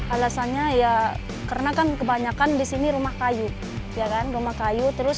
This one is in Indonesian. alasannya ya karena kan kebanyakan di sini rumah kayu ya kan rumah kayu terus